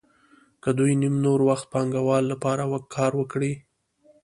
که دوی نیم نور وخت د پانګوال لپاره کار وکړي